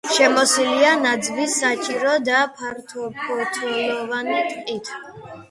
შემოსილია ნაძვის, სოჭისა და ფართოფოთლოვანი ტყით.